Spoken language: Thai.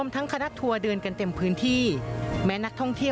บริเวณหน้าสารพระการอำเภอเมืองจังหวัดลบบุรี